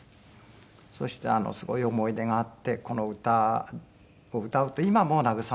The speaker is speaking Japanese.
そして「すごい思い出があってこの歌を歌うと今も慰められるし勇気が出ます」と。